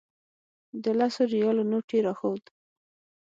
د لسو ریالو نوټ یې راښود.